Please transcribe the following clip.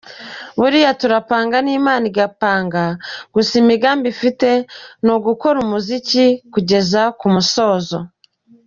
Buriya turapanga n'Imana igapanga, gusa imigambi mfite ni ugukora umuziki kuzageza ku musozo.